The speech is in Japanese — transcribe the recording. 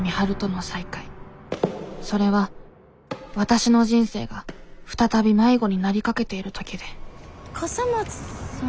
それはわたしの人生が再び迷子になりかけている時で笠松さん？